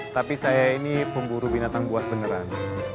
tapi saya ini pemburu binatang buas beneran